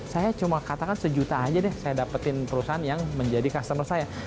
saya cuma katakan sejuta aja deh saya dapetin perusahaan yang menjadi customer saya